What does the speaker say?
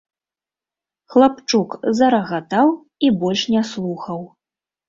Хлапчук зарагатаў і больш не слухаў.